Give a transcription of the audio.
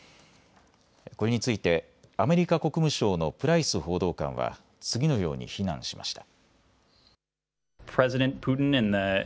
これについてアメリカ国務省のプライス報道官は次のように非難しました。